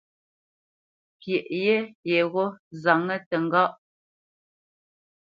Pyeʼ yé yegho nzáŋə təŋgáʼ.